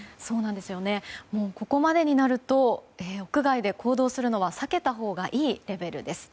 ここまでになると屋外で行動するのは避けたほうがいいレベルです。